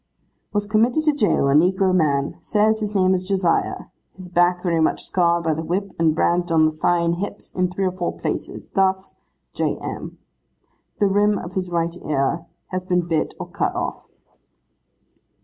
'Was committed to jail, a negro man. Says his name is Josiah. His back very much scarred by the whip; and branded on the thigh and hips in three or four places, thus (J M). The rim of his right ear has been bit or cut off.